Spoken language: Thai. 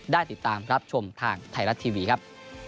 ได้ติดตามรับชมทางไทยรัฐทีวีครับ